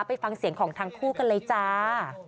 ไปฟังเสียงของทั้งคู่กันเลยจ้า